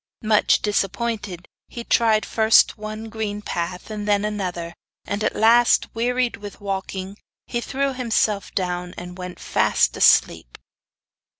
Much disappointed, he tried first one green path and then another, and at last, wearied with walking, he threw himself down and went fast asleep.